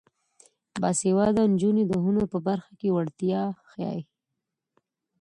باسواده نجونې د هنر په برخه کې وړتیا ښيي.